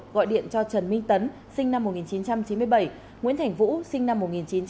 gọi điện cho trần minh tấn sinh năm một nghìn chín trăm chín mươi bảy nguyễn thành vũ sinh năm một nghìn chín trăm tám mươi